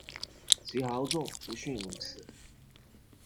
其豪纵不逊如此。